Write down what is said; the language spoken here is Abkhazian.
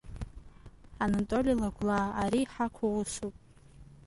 Анатоли Лагәлаа ари иҳақу усуп.